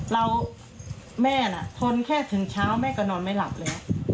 แม่น่ะทนแค่ถึงเช้าแม่ก็นอนไม่หลับแล้ว